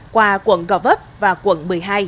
qua quận gò vấp và quận một mươi hai